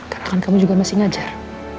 karena kamu juga masih ngajar